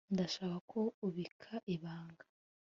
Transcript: ndashaka ko ubika ibanga